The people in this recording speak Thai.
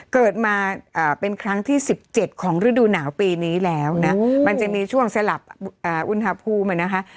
เกิดมาเป็นครั้งที่๑๗ของฤดูหนาวปีนี้แล้วนะมันจะมีช่วงสลับอุณหภูมินะคะ